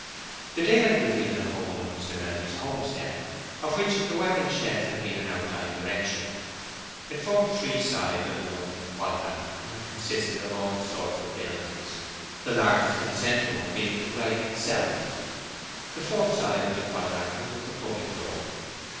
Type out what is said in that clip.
The daylight revealed the whole of Mr. Melbury's homestead, of which the wagon sheds had been an outlying erection. It formed three sides of an open quadrangle, and consisted of all sorts of buildings, the largest and central one being the dwelling itself. The fourth side of the quadrangle was the public road.